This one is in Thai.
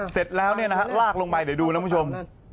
เสร็จแล้วเนี่ยนะฮะลากลงไปเดี๋ยวดูนะคุณผู้ชม